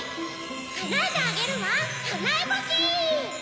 かなえてあげるわかなえぼし！